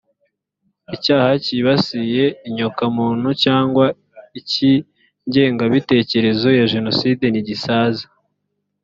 icyaha cyibasiye inyoko muntu cyangwa icy’ ingengabitekerezo ya genocide ntigisaza